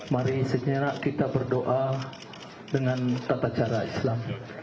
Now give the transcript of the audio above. mari segera kita berdoa dengan tata cara islam